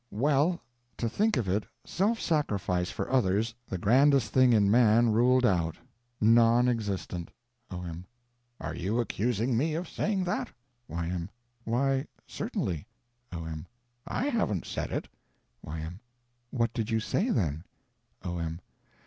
Well, to think of it; Self Sacrifice for others, the grandest thing in man, ruled out! non existent! O.M. Are you accusing me of saying that? Y.M. Why, certainly. O.M. I haven't said it. Y.M. What did you say, then? O.M.